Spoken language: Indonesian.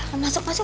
masuk masuk masuk